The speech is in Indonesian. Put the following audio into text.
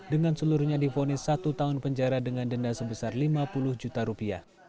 dengan seluruhnya difonis satu tahun penjara dengan denda sebesar lima puluh juta rupiah